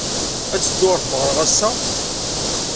Ad teddud ɣer tmeɣra ass-a?